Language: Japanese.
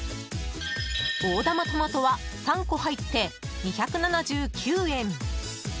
大玉トマトは３個入って２７９円。